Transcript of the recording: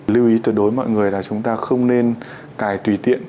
lưu ý tuyệt đối mọi người là chúng ta không nên cài tùy tiện